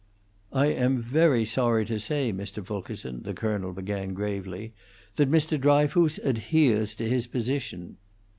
"I am very sorry to say, Mr. Fulkerson," the colonel began, gravely, "that Mr. Dryfoos adheres to his position."